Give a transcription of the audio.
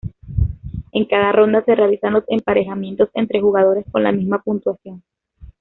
En cada ronda se realizan los emparejamientos entre jugadores con la misma puntuación.